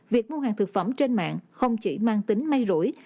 việc mua hàng thực phẩm trên mạng không chỉ mang tính may rủi